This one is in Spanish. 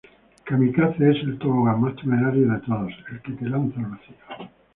Kamikaze es el tobogán más temerario de todos, el que te lanza al vacío.